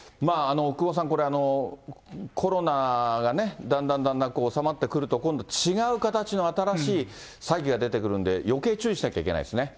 奥窪さん、これ、コロナがだんだんだんだん収まってくると、今度、違う形の、新しい詐欺が出てくるんで、よけい注意しなきゃいけないですね。